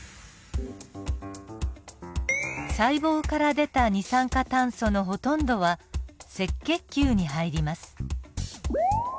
細胞から出た二酸化炭素のほとんどは赤血球に入ります。